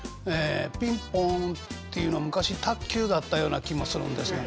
「ピンポン」っていうのは昔卓球だったような気もするんですが。